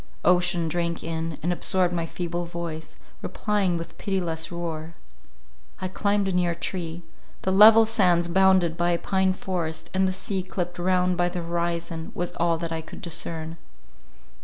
Ocean drank in, and absorbed my feeble voice, replying with pitiless roar. I climbed a near tree: the level sands bounded by a pine forest, and the sea clipped round by the horizon, was all that I could discern.